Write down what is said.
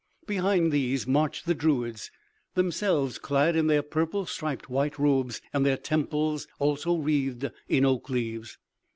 Behind these marched the druids themselves, clad in their purple striped white robes, and their temples also wreathed in oak leaves.